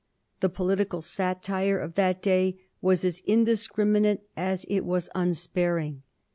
The political satire of that day was as indiscriminate as it was unsparing.